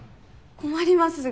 困ります